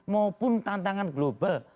maupun tantangan global